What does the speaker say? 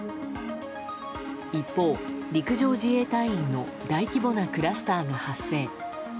一方、陸上自衛隊員の大規模なクラスターが発生。